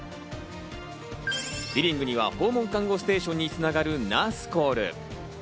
リビングには訪問看護ステーションに繋がるナースコール。